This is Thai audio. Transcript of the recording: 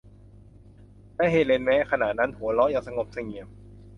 และเฮเลน แม้ขณะนั้น หัวเราะอย่างสงบเสงี่ยม